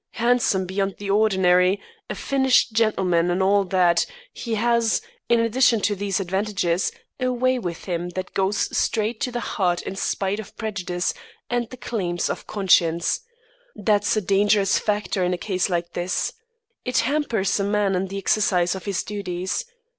Handsome beyond the ordinary, a finished gentleman and all that, he has, in addition to these advantages, a way with him that goes straight to the heart in spite of prejudice and the claims of conscience. That's a dangerous factor in a case like this. It hampers a man in the exercise of his duties.